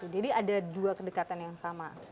jadi ada dua kedekatan yang sama